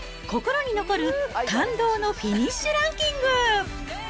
心に残る感動のフィニッシュランキング。